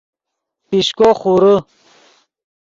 پیشکو خورے